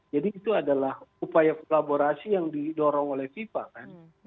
jadi itu adalah upaya kolaborasi yang didorong oleh fifa kan